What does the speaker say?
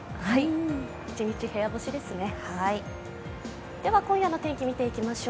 一日部屋干しですね。